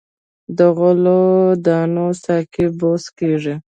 د غلو دانو ساقې بوس کیږي.